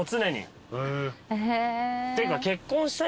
っていうか。